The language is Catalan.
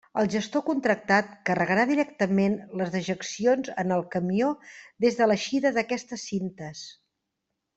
El gestor contractat carregarà directament les dejeccions en el camió des de l'eixida d'aquestes cintes.